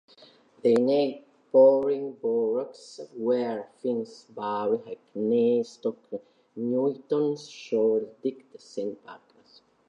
The neighbouring boroughs were Finsbury, Hackney, Stoke Newington, Shoreditch, Saint Pancras.